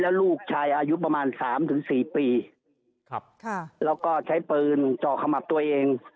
แล้วลูกชายอายุประมาณสามถึงสี่ปีครับค่ะแล้วก็ใช้ปืนเจาะขมับตัวเอง